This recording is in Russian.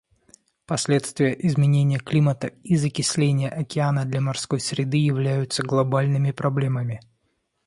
Последствия изменения климата и закисления океана для морской среды являются глобальными проблемами.